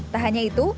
tak hanya itu